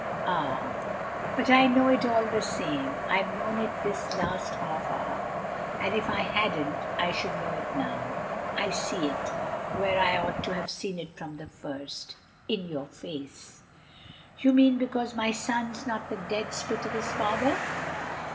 "Ah!" "But I know it all the same. I've known it this last half hour. And if I hadn't I should know it now. I see it where I ought to have seen it from the first in your face." "You mean because my son's not the dead spit of his father?